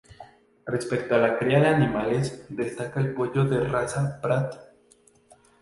Respecto a la cría de animales, destacar el pollo de raza Prat.